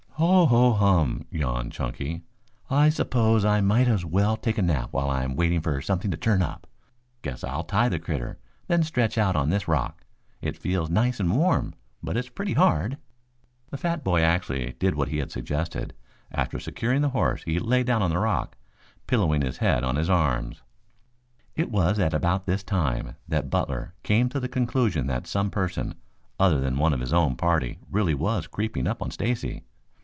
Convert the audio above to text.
"Ho ho hum," yawned Chunky. "I suppose I might as well take a nap while I'm waiting for something to turn up. Guess I'll tie the critter, then stretch out on this rock. It feels nice and warm, but it's pretty hard." The fat boy actually did what he had suggested. After securing the horse, he lay down on the rock, pillowing his head on his arms. It was at about this time that Butler came to the conclusion that some person other than one of his own party really was creeping up on Stacy.